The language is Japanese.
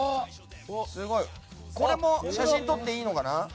これも写真撮っていいのかな。